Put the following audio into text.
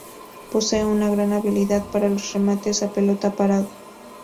Posee una gran habilidad para los remates a pelota parada.